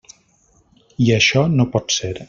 I això no pot ser.